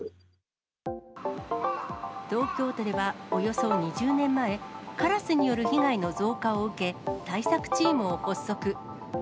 東京都ではおよそ２０年前、カラスによる被害の増加を受け、対策チームを発足。